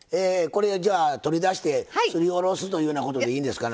これ、じゃあ、取り出してすり下ろすというようなことでいいんですかね？